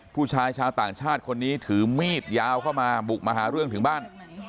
ผู้ชายชาวต่างชาติคนนี้ถือมีดยาวเข้ามาบุกมาหาเรื่องถึงบ้าน